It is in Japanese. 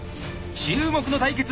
注目の対決